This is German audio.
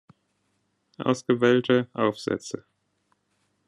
Ausgewählte Aufsätze.